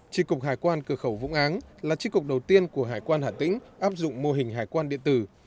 tri cục hải quan cửa khẩu vũng áng là chiếc cục đầu tiên của hải quan hà tĩnh áp dụng mô hình hải quan điện tử